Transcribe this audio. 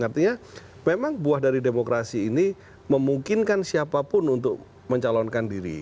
artinya memang buah dari demokrasi ini memungkinkan siapapun untuk mencalonkan diri